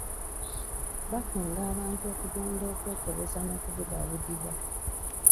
Bakunga abantu okugenda okwekebeza n'okubudaabudibwa..